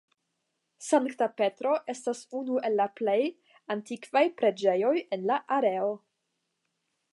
Sankta Petro estas unu el la plej antikvaj preĝejoj en la areo.